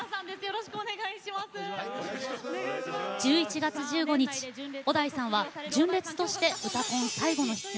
１１月１５日小田井さんは純烈として「うたコン」最後の出演。